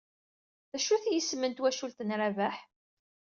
D acu-t yisem n twacult n Rabaḥ?